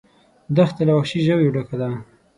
دښته له وحشي ژویو ډکه ده.